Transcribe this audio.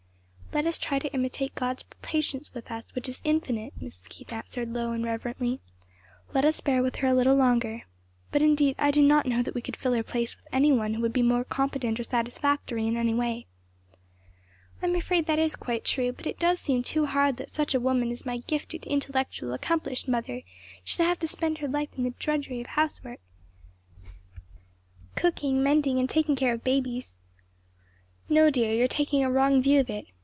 "Let us try to imitate God's patience with us, which is infinite;" Mrs. Keith answered low and reverently; "let us bear with her a little longer. But indeed, I do not know that we could fill her place with any one who would be more competent or satisfactory in any way." "I'm afraid that is quite true; but it does seem too hard that such a woman as my gifted, intellectual, accomplished mother should have to spend her life in the drudgery of housework, cooking, mending and taking care of babies." "No, dear; you are taking a wrong view of it.